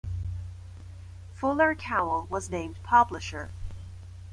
Fuller Cowell was named publisher.